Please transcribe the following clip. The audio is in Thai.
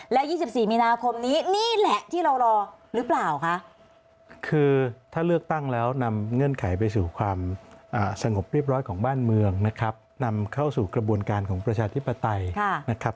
และ๒๔มีนาคมนี้นี่แหละที่เรารอหรือเปล่าคะ